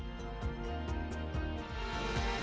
kehadiran teknologi blockchain